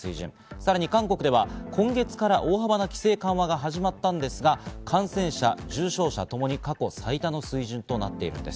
さらに韓国では今月から大幅な規制緩和が始まったんですが、感染者と重症者は過去最多の水準となっています。